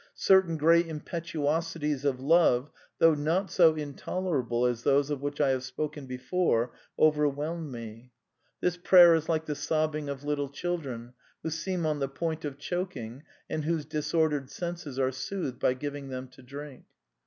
Certain great impetuosities of love, though not so intolerable as those of which I have spoken before ... overwhelmed me." " This prayer is like the sobbing of little children, who seem on the point of choking and whose disordered senses are soothed by giv ing them to drink."